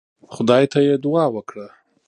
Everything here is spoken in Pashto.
خدای ته يې دعا وکړه.